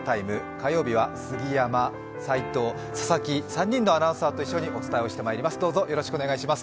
火曜日は杉山、齋藤、佐々木３人のアナウンサーと一緒にお伝えしてまいります。